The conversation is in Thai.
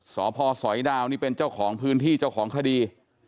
สพสอยดาวนี่เป็นเจ้าของพื้นที่เจ้าของคดี